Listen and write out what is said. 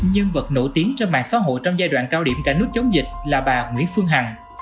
nhân vật nổi tiếng trên mạng xã hội trong giai đoạn cao điểm cả nước chống dịch là bà nguyễn phương hằng